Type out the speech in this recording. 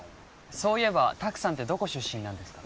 そういえば拓さんってどこ出身なんですか？